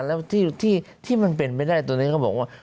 แล้วที่มันเป็นไปได้ตอนนี้เขาบอกว่า